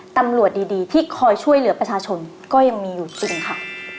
ตำรวจดีที่คอยช่วยเหลือประชาชนก็ยังมีอยู่จริงค่ะ